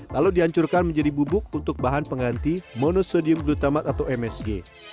lalu dihancurkan menjadi bubuk untuk bahan pengganti monosodium glutamat atau msg